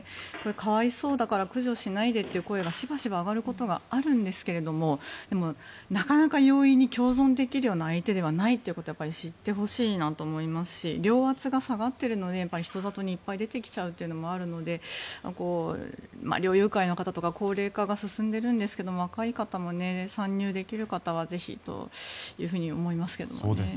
可哀想だから駆除しないでという声がしばしば上がることがあるんですがでも、なかなか容易に共存できるような相手ではないということを知ってほしいなと思いますし猟圧が下がっているので人里にいっぱい出てきちゃうというのもあるので猟友会の方とか高齢化が進んでいるんですけど若い方も参入できる方はぜひというふうに思いますね。